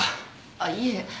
あっいいえ。